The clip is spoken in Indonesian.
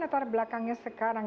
latar belakangnya sekarang